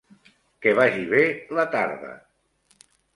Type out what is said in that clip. Que vagi bé la tarda.